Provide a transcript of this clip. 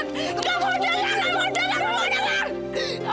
nggak mau dengar